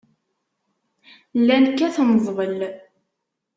Llan kkaten ḍḍbel.